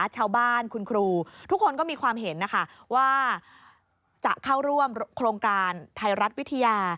ชาวบ้านคุณครูทุกคนก็มีความเห็นนะคะว่าจะเข้าร่วมโครงการไทยรัฐวิทยา